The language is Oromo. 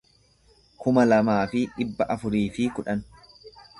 kuma lamaa fi dhibba afurii fi kudhan